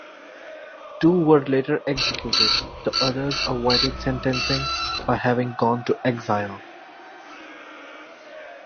Two were later executed; the others avoided sentencing by having gone to exile.